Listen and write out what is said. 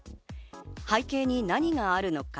背景に何があるのか？